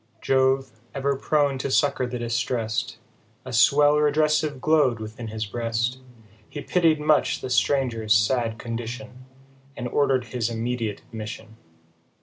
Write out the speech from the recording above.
Jove, ever prone to succour the distrest, A swell redressive glow'd within his breast, He pitied much the stranger's sad condition, And order'd his immediate admission.